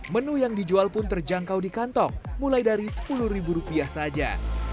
menu yang dijual pun terjangkau di kantong mulai dari sepuluh ribu rupiah saja